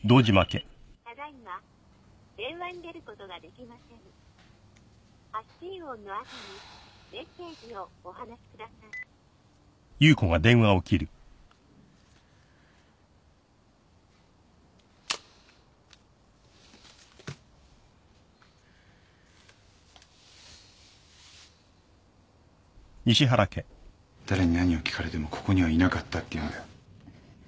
「ただいま電話に出発信音の後にメッセージをお話しください」誰に何を聞かれてもここにはいなかったって言うんだよ。